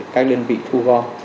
các đơn vị thu gom